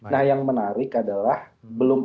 nah yang menarik adalah belum